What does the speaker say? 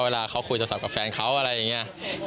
เวลาเขาคุยโทรศัพท์กับแฟนเขาอะไรอย่างนี้